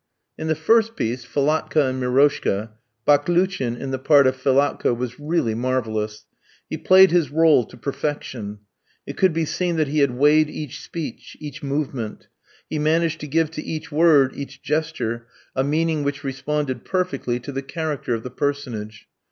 In the first piece, Philatka and Miroshka, Baklouchin, in the part of Philatka, was really marvellous. He played his rôle to perfection. It could be seen that he had weighed each speech, each movement. He managed to give to each word, each gesture, a meaning which responded perfectly to the character of the personage.